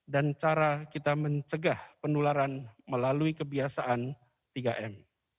dan cara kita mencegah penularan melalui kebiasaan tiga m